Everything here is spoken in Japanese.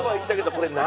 これ何？